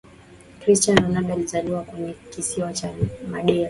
Cristiano Ronaldo alizaliwa kwenye kisiwa cha Medeira